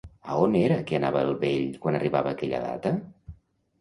A on era que anava el vell quan arribava aquella data?